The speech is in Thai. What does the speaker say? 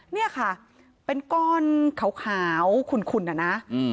เนี่ยค่ะเป็นก้อนขาวขุนนะ